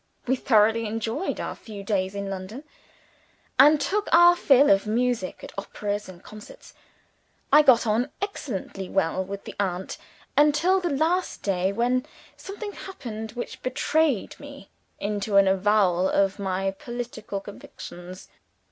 We thoroughly enjoyed our few days in London and took our fill of music at operas and concerts. I got on excellently well with the aunt until the last day, when something happened which betrayed me into an avowal of my political convictions.